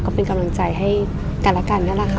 ก็เป็นกำลังใจให้กันแล้วกันนั่นแหละค่ะ